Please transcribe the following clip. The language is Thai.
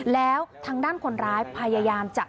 แล้วทางด้านคนร้ายพยายามจะทำอานะจาน